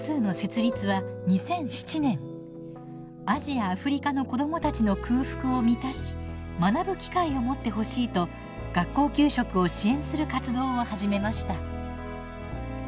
アジア・アフリカの子どもたちの空腹を満たし学ぶ機会を持ってほしいと学校給食を支援する活動を始めました。